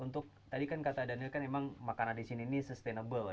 tadi kan kata daniel makanan di sini sustainable ya